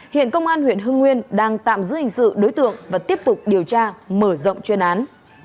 hiện công an huyện hưng nguyên đang tạm giữ hình sự đối tượng và tiếp tục điều tra mở rộng chuyên án